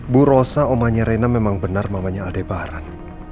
bu rosa omanya rena memang benar mamanya adebaran